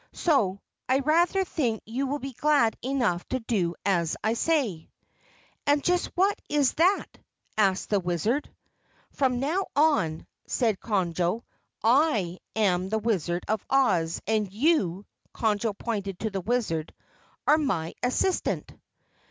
So, I rather think you will be glad enough to do as I say." "And just what is that?" asked the Wizard. "From now on," said Conjo, "I am the Wizard of Oz, and you," Conjo pointed to the Wizard, "are my assistant!"